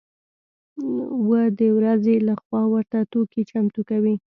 و د ورځې له خوا ورته توکي چمتو کوي.